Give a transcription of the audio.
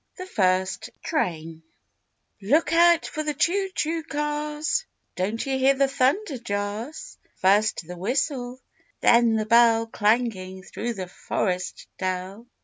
THE FIRST TRAIN Look out for the Choo choo cars! Don't you hear the thunder jars? First the whistle, then the bell Clanging through the Forest Dell.